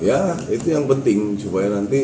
ya itu yang penting supaya nanti